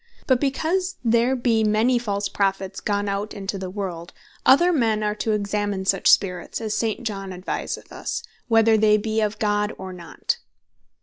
But because there be many false Prophets "gone out into the world," other men are to examine such Spirits (as St. John advised us, 1 Epistle, Chap. 4. ver.1.) "whether they be of God, or not."